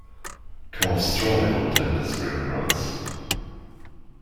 Calves thrive on tender spring grass.